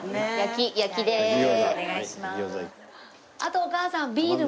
あとお母さんビールも。